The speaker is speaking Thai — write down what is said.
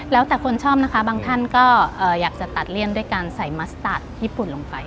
แล้วแต่คนชอบนะคะบางท่านก็อยากจะตัดเลี่ยนด้วยการใส่มัสตาร์ทญี่ปุ่นลงไป